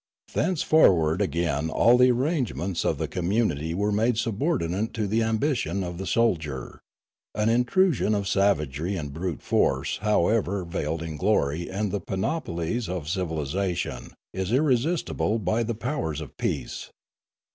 Thenceforward again all the arrangements of the com munity were made subordinate to the ambition of the soldier. An intrusion of savagery and brute force, however veiled in glory and the panoplies of civilisa tion, is irresistible by the powers 6f peace.